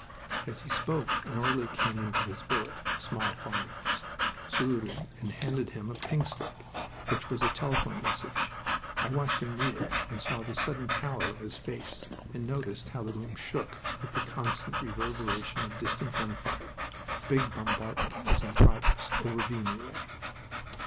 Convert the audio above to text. As he spoke an orderly came into his billet (a small farmhouse), saluted, and handed him a pink slip, which was a telephone message. I watched him read it, and saw the sudden pallor of his face, and noticed how the room shook with the constant reverberation of distant gun fire. A big bombardment was in progress over Vimy way.